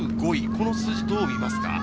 この数字はどうですか？